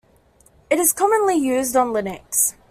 It is commonly used on Linux.